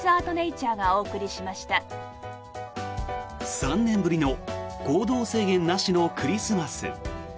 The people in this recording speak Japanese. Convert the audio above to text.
３年ぶりの行動制限なしのクリスマス。